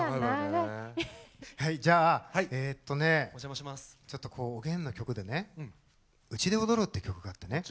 じゃあえっとねちょっとこうおげんの曲でね「うちで踊ろう」っていう曲があってね